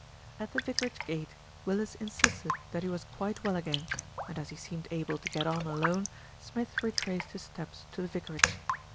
At the vicarage gate, Willis insisted that he was quite well again, and as he seemed able to get on alone, Smith retraced his steps to the vicarage.